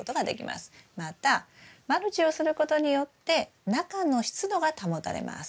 またマルチをすることによって中の湿度が保たれます。